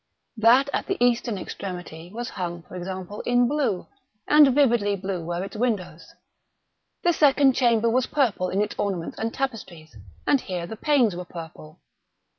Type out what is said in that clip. That at the eastern extremity was hung, for example, in blue—and vividly blue were its windows. The second chamber was purple in its ornaments and tapestries, and here the panes were purple.